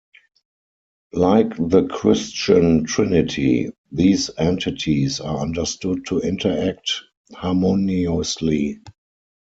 Like the Christian Trinity, these entities are understood to interact harmoniously.